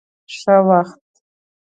ښه وخت.